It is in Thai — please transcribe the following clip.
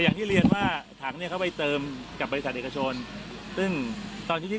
อย่างงี้แล้วก็พูดไปก็เหมือนวัวหายล้อมคลอกนะแต่ก็ต้องทำแหละในจุดนี้